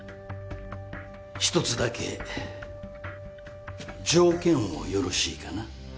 １つだけ条件をよろしいかな？